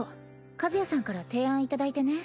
和也さんから提案いただいてね。